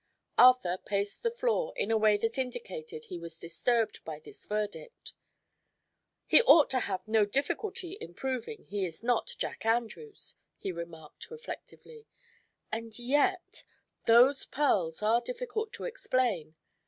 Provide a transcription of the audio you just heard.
Arthur paced the floor in a way that indicated he was disturbed by this verdict. "He ought to have no difficulty in proving he is not Jack Andrews," he remarked, reflectively; "and yet those pearls are difficult to explain.